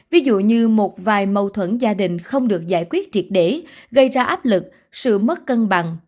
ví dụ như một vài mâu thuẫn gia đình không được giải quyết triệt để gây ra áp lực sự mất cân bằng